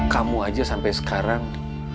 kamu aja sampe sekarang